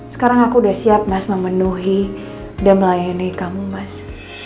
sekarang aku udah siap mas memenuhi dan melayani kamu mas